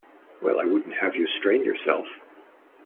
Well, I wouldn't have you strain yourself.